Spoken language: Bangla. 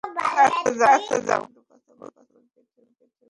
কিন্তু কথা বলতে বলতে টের পেলেন, পুরো কথোপকথনই সরাসরি শুনছে সবাই।